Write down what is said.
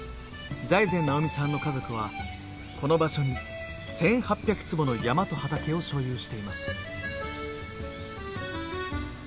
財前直見さんの家族はこの場所に１，８００坪の山と畑を所有しています。